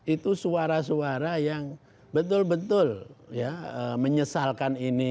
itu suara suara yang betul betul menyesalkan ini